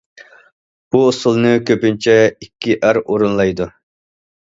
بۇ ئۇسسۇلنى كۆپىنچە ئىككى ئەر ئورۇنلايدۇ.